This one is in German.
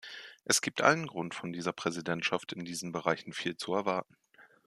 Es gibt allen Grund, von dieser Präsidentschaft in diesen Bereichen viel zu erwarten.